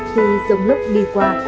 khi giống lúc đi qua